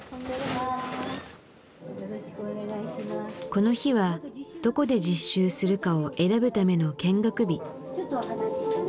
この日はどこで実習するかを選ぶための見学日。